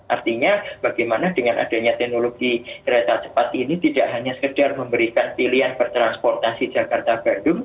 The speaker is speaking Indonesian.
artinya bagaimana dengan adanya teknologi kereta cepat ini tidak hanya sekedar memberikan pilihan bertransportasi jakarta bandung